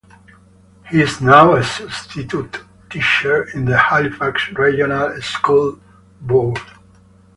He is now a substitute teacher in the Halifax Regional School Board.